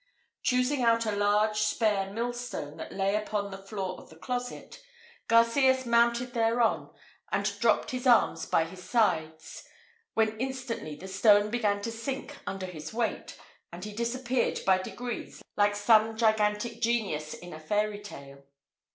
Choosing out a large spare millstone, that lay upon the floor of the closet, Garcias mounted thereon, and dropped his arms by his sides, when instantly the stone began to sink under his weight, and he disappeared by degrees like some gigantic genius in a fairy tale.